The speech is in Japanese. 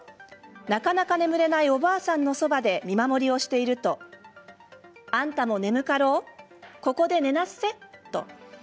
なかなか眠れない、おばあさんのそばで見守りをしていると「あんたも眠かろうここで寝なっせ」と。